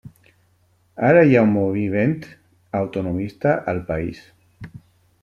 Ara hi ha un moviment autonomista al país.